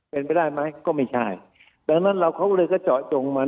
เป็นไปได้ไหมก็ไม่ใช่ดังนั้นเราเขาก็เลยก็เจาะจงมัน